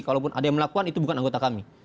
kalaupun ada yang melakukan itu bukan anggota kami